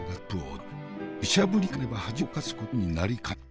むしゃぶりつかねば恥をかかすことになりかねん。